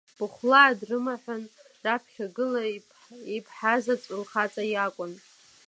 Быхәлаа дрымаҳәын, раԥхьагыла иԥҳазаҵә лхаҵа иакәын.